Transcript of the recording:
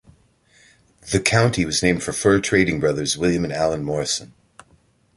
The county was named for fur trading brothers, William and Allan Morrison.